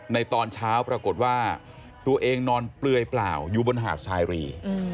ตอนเช้าปรากฏว่าตัวเองนอนเปลือยเปล่าอยู่บนหาดสายรี